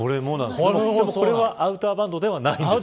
これはアウターバンドじゃないんですよね。